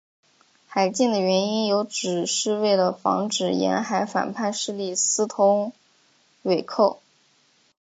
海禁的原因有指是为了防止沿海反叛势力私通倭寇。